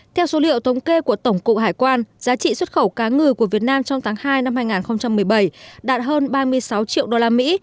theo số liệu thống kê của tổng cục hải quan giá trị xuất khẩu cá ngừ của việt nam trong tháng hai năm hai nghìn một mươi bảy đạt hơn ba mươi sáu triệu đô la mỹ